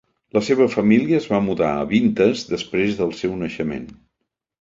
La seva família es va mudar a Avintes després del seu naixement.